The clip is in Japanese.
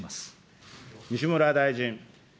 西村大臣。